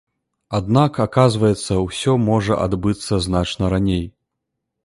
Аднак, аказваецца, усё можа адбыцца значна раней.